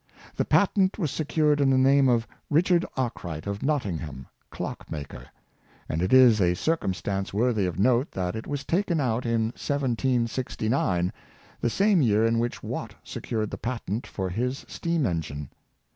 The patent was secured in the name of " Richard Arkwright, of Nottingham, clockmaker,^' and it is a circumstance worthy of note, that it was taken out in 1769, the same year in which Watt secured the patent for his steam engine.